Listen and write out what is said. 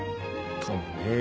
かもね。